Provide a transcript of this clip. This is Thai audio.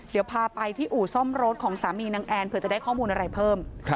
เดี๋ยวพาไปที่อู่ซ่อมรถของสามีนางแอนเผื่อจะได้ข้อมูลอะไรเพิ่ม